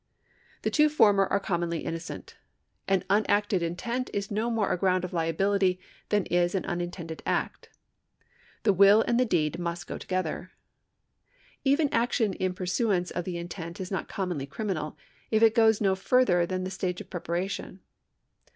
The two former are commonly innocent. An unacted intent is no more a ground of liability than is an un intended act. The will and the deed must go together. Even action in pursuance of the intent is not commonly criminal if it goes no further than the stage of preparation.